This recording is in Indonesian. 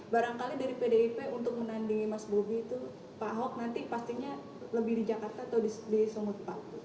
barangkali dari pdip untuk menandingi mas bobi itu pak ahok nanti pastinya lebih di jakarta atau di sumut pak